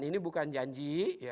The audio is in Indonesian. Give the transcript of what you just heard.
ini bukan janji